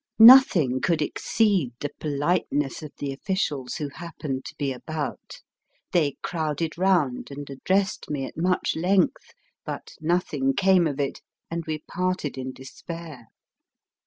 Nothing could exceed the politeness of the officials who happened to be about. They crowded round and addressed me at much length, but nothing came of it, and we parted in despair.